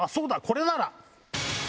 これなら。